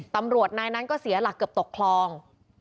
ตำรวจนายนั้นก็เสียหลักเกือบตกคลอง